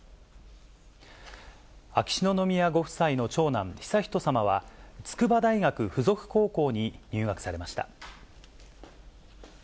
秋篠宮ご夫妻の長男、悠仁さまは、筑波大学附属高校に入学されました。